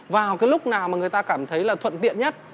vào cái lúc nào mà người ta cảm thấy là thuận tiện nhất